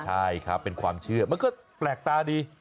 ใช่ครับเป็นความเชื่อมันก็แปลกตาดี